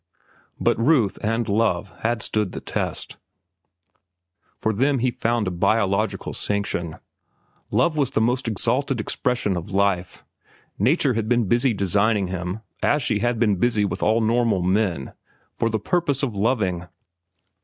But Ruth and love had stood the test; for them he found a biological sanction. Love was the most exalted expression of life. Nature had been busy designing him, as she had been busy with all normal men, for the purpose of loving.